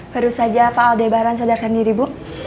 baru saja pak aldebaran sadarkan diri bu